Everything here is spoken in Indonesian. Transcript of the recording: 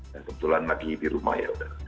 dan kebetulan lagi di rumah ya udah